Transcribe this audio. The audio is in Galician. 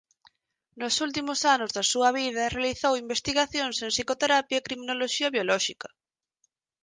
Nos últimos anos da súa vida realizou investigacións en psicoterapia e criminoloxía biolóxica.